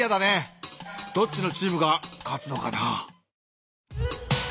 どっちのチームが勝つのかな。